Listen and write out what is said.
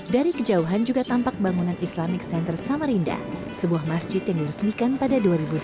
dari kejauhan juga tampak bangunan islamic center samarinda sebuah masjid yang diresmikan pada dua ribu delapan belas